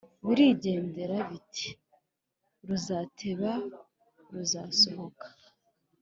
birigendera, biti:"ruzateba, ruzasohoka."